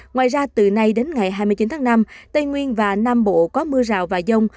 ngoài ra từ nay đến ngày hai mươi chín tháng năm tây nguyên và nam bộ có mưa rào và dông